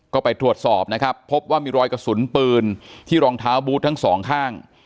ก็ไปตรวจสอบนะครับพบว่ามีรอยกระสุนปืนที่รองเท้าบูธทั้งสองข้าง